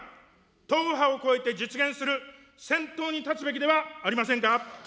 党派を超えて実現する、先頭に立つべきではありませんか。